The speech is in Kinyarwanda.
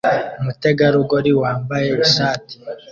Umutegarugori wambaye ishati